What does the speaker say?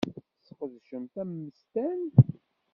Tesqedcemt ammesten?